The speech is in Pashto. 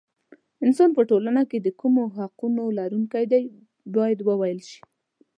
انسان په ټولنه کې د کومو حقونو لرونکی دی باید وویل شي.